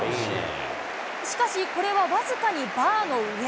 しかし、これは僅かにバーの上。